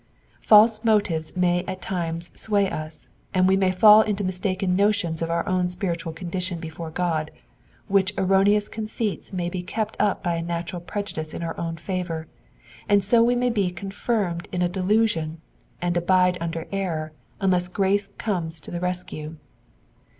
False motives may at times sway us, and we may fall into mistaken notions of our own spiritual con dition before God, which erroneous conceits may be kept up by a natural prejudice ill our own favour, and so we may be confirmed in a delusion, and abide under error unless grace comes to the rescue.